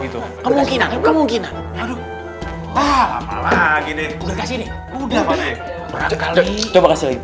gitu kemungkinan kemungkinan lagi nih udah kasih udah kali itu makasih kasih